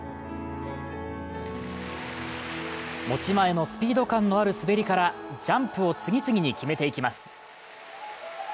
持ち前のスピード感のある滑りからジャンプを次々に決めていきます。